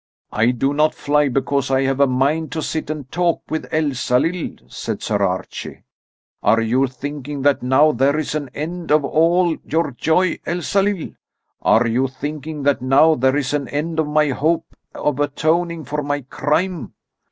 "I do not fly because I have a mind to sit and talk with Elsalill," said Sir Archie. "Are you thinking that now there is an end of all your joy, Elsalill? Are you thinking that now there is an end of my hope of atoning for my crime?"